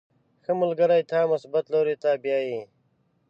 • ښه ملګری تا مثبت لوري ته بیایي.